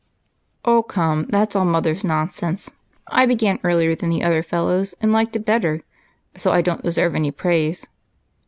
"Oh, come, that's all Mother's nonsense. I began earlier than the other fellows and liked it better, so I don't deserve any praise.